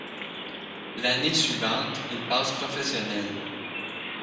L'année suivante, il passe professionnel.